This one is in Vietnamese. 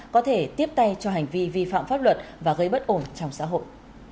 có thể tiếp tay cho hành vi vi phạm pháp luật và gây bất ổn trong xã hội